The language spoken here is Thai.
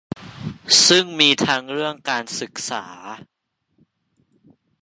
ซึ่งมีทั้งเรื่องการศึกษา